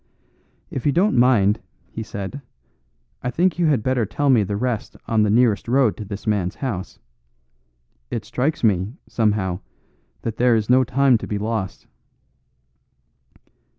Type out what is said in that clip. "If you don't mind," he said, "I think you had better tell me the rest on the nearest road to this man's house. It strikes me, somehow, that there is no time to be lost."